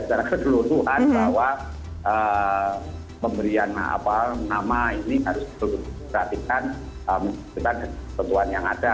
secara kegelutuhan bahwa pemberian apa nama ini harus diperhatikan dengan kebetulan yang ada